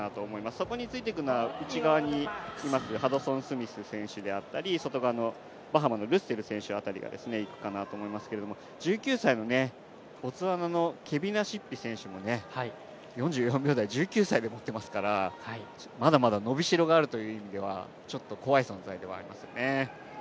そこについていくのは内側にいますハドソンスミス選手であったり、バハマのルッセル選手辺りがいくかなと思いますけど、１９歳のボツワナのケビナシッピ選手も４４秒台、１９歳で持っていますから、まだまだ伸びしろがあるという意味ではちょっと怖い存在ではありますよね。